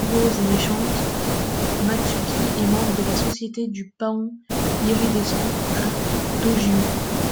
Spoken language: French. Morose et méchante, Maatsuki est membre de la Société du Paon Iridescent à Dojyu.